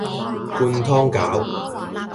灌湯餃